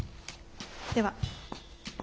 では。